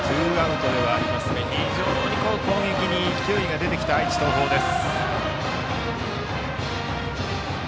ツーアウトではありますが非常に攻撃に勢いが出てきた愛知・東邦です。